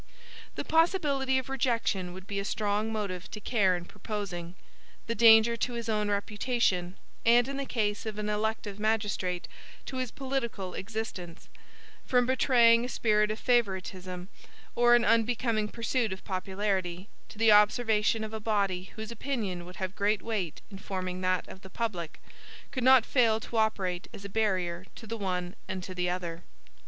The possibility of rejection would be a strong motive to care in proposing. The danger to his own reputation, and, in the case of an elective magistrate, to his political existence, from betraying a spirit of favoritism, or an unbecoming pursuit of popularity, to the observation of a body whose opinion would have great weight in forming that of the public, could not fail to operate as a barrier to the one and to the other.